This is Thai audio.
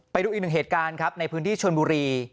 ไปดูอีกหนึ่งเหตุการณ์ครับในพื้นที่ชนบุรี